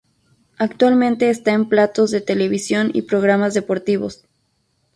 Actualmente está en platós de televisión y programas deportivos.